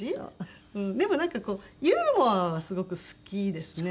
でもなんかこうユーモアはすごく好きですね。